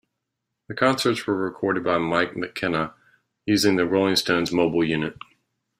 The concerts were recorded by Mike McKenna using the Rolling Stones Mobile unit.